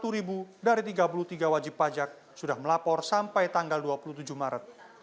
satu ribu dari tiga puluh tiga wajib pajak sudah melapor sampai tanggal dua puluh tujuh maret